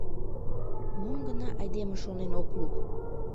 — Мом гына айдеме шонен ок лук!